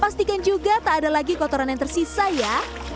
pastikan juga tak ada lagi kotoran yang tersisa ya